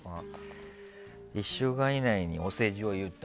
１週間以内にお世辞を言った。